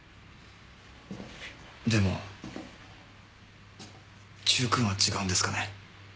でもチュウ君は違うんですかね？